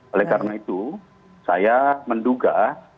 oleh karena itu saya menduga